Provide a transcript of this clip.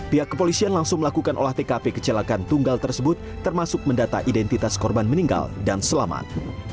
pihak kepolisian langsung melakukan olah tkp kecelakaan tunggal tersebut termasuk mendata identitas korban meninggal dan selamat